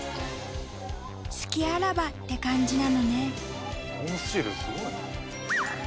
隙あらばって感じなのね。